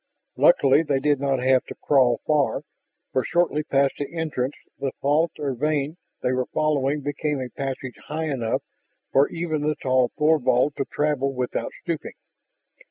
Luckily, they did not have to crawl far, for shortly past the entrance the fault or vein they were following became a passage high enough for even the tall Thorvald to travel without stooping.